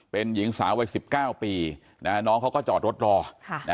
เป็นหญิงสาววัยสิบเก้าปีน่าน้องเขาก็จอดรถรอค่ะ